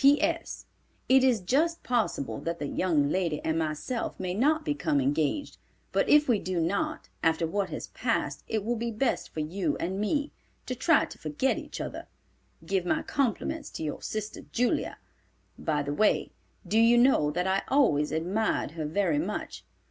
"P.S.—It is just possible that the young lady and myself may not become engaged, but if we do not, after what has passed, it will be best for you and me to try to forget each other. Give my compliments to your sister Julia. By the way, do you know that I always admired her very much?